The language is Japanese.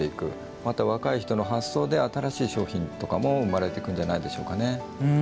また若い人の発想で新しい商品なども生まれていくんじゃないでしょうかね。